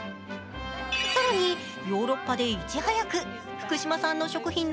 更にヨーロッパでいち早く、福島産の食品の